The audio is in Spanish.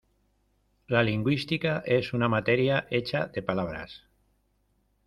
La lingüística es una materia hecha de palabras.